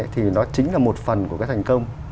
thì nó chính là một phần của thành công